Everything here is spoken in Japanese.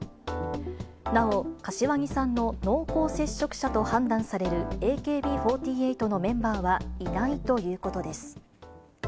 なお、柏木さんの濃厚接触者と判断されるＡＫＢ４８のメンバーはいないということです。